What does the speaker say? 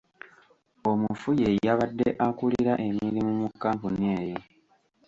Omufu ye yabadde akulira emirimu mu kkampuni eyo.